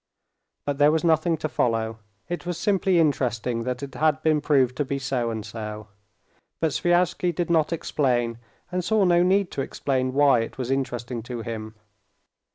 But there was nothing to follow. It was simply interesting that it had been proved to be so and so. But Sviazhsky did not explain, and saw no need to explain why it was interesting to him.